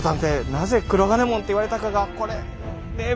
なぜ「黒金門」って言われたかがこれねえ